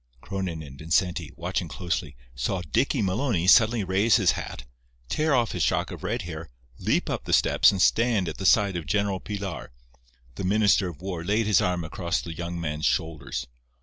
Cronin and Vincenti, watching closely, saw Dicky Maloney suddenly raise his hat, tear off his shock of red hair, leap up the steps and stand at the side of General Pilar. The Minister of War laid his arm across the young man's shoulders.